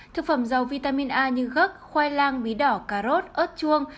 thực phẩm dầu vitamin a như gấc khoai lang mí đỏ cà rốt ớt chuông